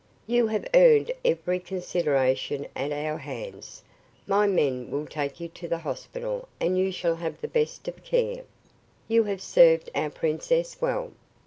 "You have earned every consideration at our hands. My men will take you to the hospital and you shall have the best of care. You have served our princess well.